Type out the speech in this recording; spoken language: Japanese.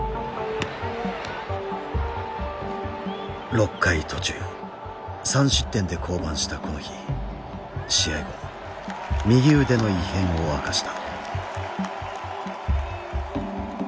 ６回途中３失点で降板したこの日試合後右腕の異変を明かした。